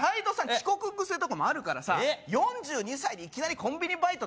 遅刻グセとかもあるからさ４２歳でいきなりコンビニバイト